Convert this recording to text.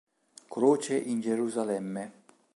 Croce in Gerusalemme.